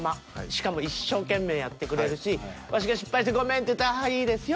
しかも一生懸命やってくれるしワシが失敗して「ごめん」って言ったら「ああいいですよ」